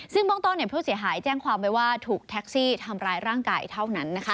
ซึ่งเบื้องต้นผู้เสียหายแจ้งความไว้ว่าถูกแท็กซี่ทำร้ายร่างกายเท่านั้น